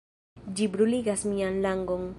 Ĝi bruligas mian langon!